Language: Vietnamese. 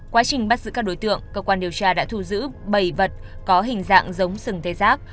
quá trình bắt giữ các đối tượng cơ quan điều tra đã thu giữ bảy vật có hình dạng giống sừng tê giác